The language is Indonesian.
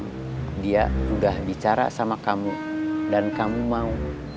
kata ujang dia sudah bicara sama kamu dan kamu mau